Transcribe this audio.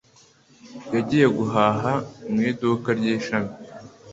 Yagiye guhaha mu iduka ry’ishami.